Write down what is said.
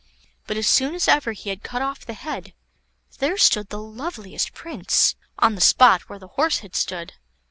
But as soon as ever he had cut off the head, there stood the loveliest Prince on the spot where the horse had stood.